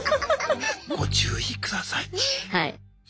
ご注意ください。